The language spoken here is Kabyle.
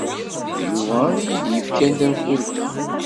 D Yuba ay iyi-d-yefkan tanfult-a.